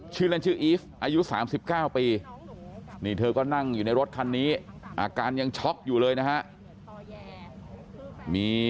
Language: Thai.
ชื่อแล้วชื่ออีฟอายุ๓๙ปี